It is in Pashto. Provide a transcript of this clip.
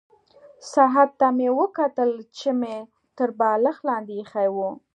ساعت ته مې وکتل چې مې تر بالښت لاندې ایښی وو.